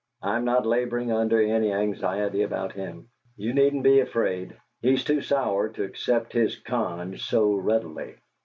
"I'm not laboring under any anxiety about him. You needn't be afraid; he's too sour to accept his conge so readily."